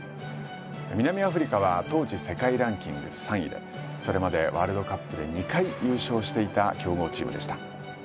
南アフリカは当時世界ランキング３位でそれまでワールドカップで２回優勝していた強豪チームでした。